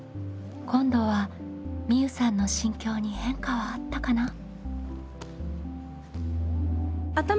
今度はみうさんの心境に変化はあったかな？